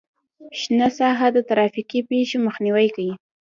شنه ساحه د ترافیکي پیښو مخنیوی کوي